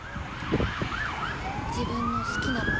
自分の好きなもの。